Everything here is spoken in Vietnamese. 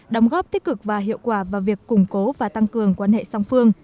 đóng góp tích cực và hiệu quả vào việc củng cố và tăng cường quan hệ song phương